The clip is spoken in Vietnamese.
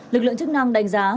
lực lượng chức năng đánh giá